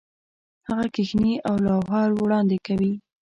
هغه کښېني او لوحه وړاندې کوي.